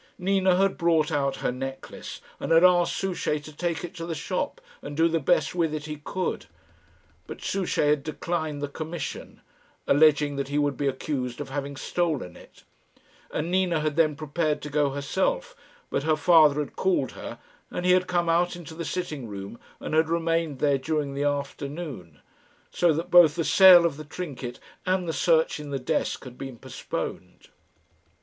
Nina had brought out her necklace and had asked Souchey to take it to the shop and do the best with it he could; but Souchey had declined the commission, alleging that he would be accused of having stolen it; and Nina had then prepared to go herself, but her father had called her, and he had come out into the sitting room and had remained there during the afternoon, so that both the sale of the trinket and the search in the desk had been postponed.